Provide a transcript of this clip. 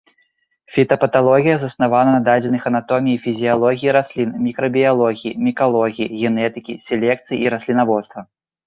Фітапаталогія заснавана на дадзеных анатоміі і фізіялогіі раслін, мікрабіялогіі, мікалогіі, генетыкі, селекцыі і раслінаводства.